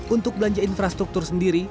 untuk belanja infrastruktur sendiri